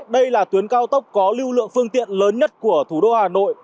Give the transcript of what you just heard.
đây là tuyến cao tốc có lưu lượng phương tiện lớn nhất của thủ đô hà nội